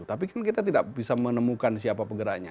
tapi kita kan tidak bisa menemukan siapa yang menggeraknya